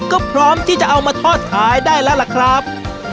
ก็พร้อมที่จะเอามาทอดขายได้แล้วล่ะครับ